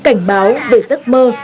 cảnh báo về giấc mơ